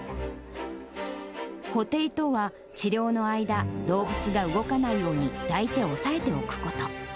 保定とは、治療の間、動物が動かないように抱いて押さえておくこと。